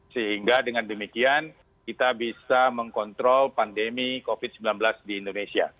sehingga dengan demikian kita bisa mengkontrol pandemi covid sembilan belas di indonesia